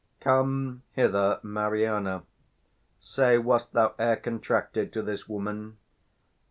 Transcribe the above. _ Come hither, Mariana. Say, wast thou e'er contracted to this woman?